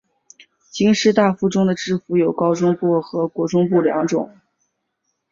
高师大附中的制服有高中部和国中部两种。